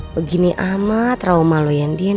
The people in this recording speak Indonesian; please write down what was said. begini amat trauma lo ya ndien